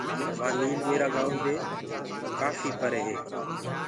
وآ ميٚل ميرآ گائونٚ دي ڪآڦي پري هي۔